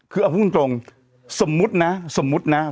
คือเอาคุณตรงสมมุตนะ